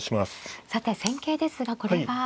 さて戦型ですがこれは。